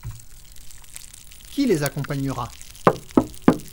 Qui les accompagnera ?